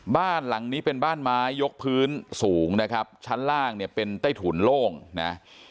บ้านหลังนี้เป็นบ้านไม้ยกพื้นสูงนะครับชั้นล่างเนี่ยเป็นใต้ถุนโล่งนะ